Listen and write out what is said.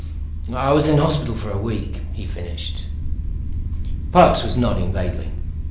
I was in the hospital for a week," he finished. Parks was nodding vaguely.